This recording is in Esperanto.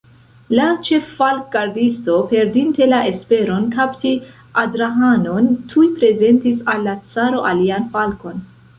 La ĉeffalkgardisto, perdinte la esperon kapti Adrahanon, tuj prezentis al la caro alian falkon.